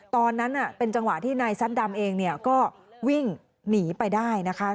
ตอนนั้นเป็นจังหวะที่นายซัดดำเองเนี่ยก็วิ่งหนีไปได้นะคะ